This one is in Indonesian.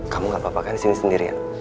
kamu gak apa apa kan di sini sendirian